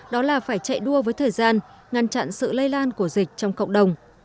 đó là phải chạy đua với thời gian ngăn chặn sự lây lan của dịch trong cộng đồng